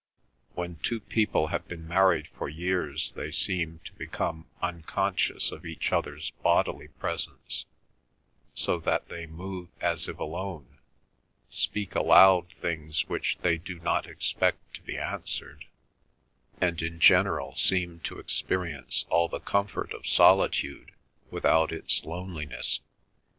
When two people have been married for years they seem to become unconscious of each other's bodily presence so that they move as if alone, speak aloud things which they do not expect to be answered, and in general seem to experience all the comfort of solitude without its loneliness.